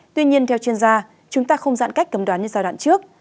tuy nhiên theo chuyên gia chúng ta không giãn cách cấm đoán như giai đoạn trước